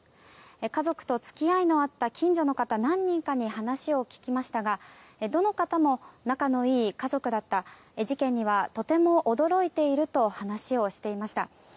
家族と付き合いのあった近所の方何人かに話を聞きましたがどの方も、仲のいい家族だった事件にはとても驚いていると話をしていました。